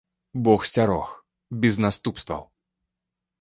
Бог сцярог, без наступстваў.